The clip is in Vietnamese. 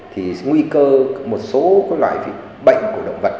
thì nguy cơ một số loại bệnh của động vật